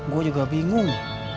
gua juga bingung